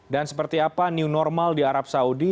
dan seperti apa new normal di arab saudi